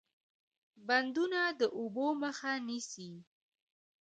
بندونه د اوبو مخه نیسي